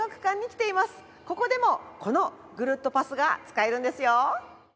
ここでもこのぐるっとパスが使えるんですよ。